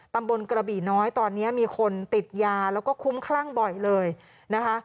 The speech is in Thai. ตำบลกระบี่น้อยตอนนี้มีคนติดยาแล้วก็คุ้มคลั่งบ่อยเลยนะคะ